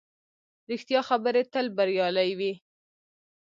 ریښتیا خبرې تل بریالۍ وي